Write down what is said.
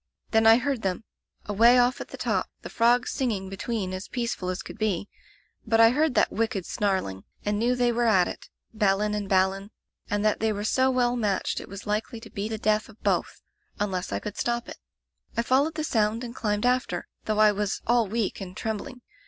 Then I heard them — away off at the top, the frogs singing between as peaceful as could be — but I heard that wicked snarling and knew [ 159 1 Digitized by LjOOQ IC Interventions they were at it — Balin and Balan — ^and that they were so well matched it was likely to be the death of both, unless I could stop it. I followed the sound and climbed after, though I was all weak and trembling.